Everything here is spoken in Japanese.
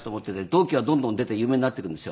同期はどんどん出て有名になっていくんですよ。